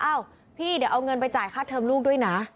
พี่เดี๋ยวเอาเงินไปจ่ายค่าเทิมลูกด้วยนะ